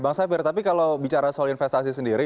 bang safir tapi kalau bicara soal investasi sendiri